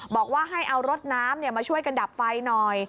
บอกว่าให้เอารถน้ำมาช่วยกันดับไฟหน่อย